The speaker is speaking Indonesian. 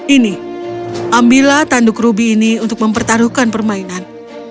ini ambillah tanduk rubi ini untuk mempertaruhkan permainan